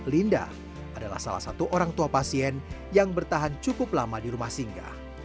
linda adalah salah satu orang tua pasien yang bertahan cukup lama di rumah singgah